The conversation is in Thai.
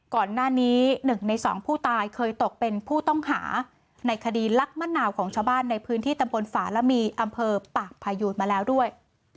ก่อนหน้านี้๑ใน๒ผู้ตายเคยตกเป็นผู้ต้องหาในคดีลักมะนาวของชาวบ้านในพื้นที่ตำบลฝาละมีอำเภอปากพายูนมาแล้วด้วย